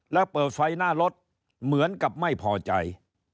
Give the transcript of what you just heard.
แล้วเปิดไฟหน้ารถเหมือนกับไม่พอใจ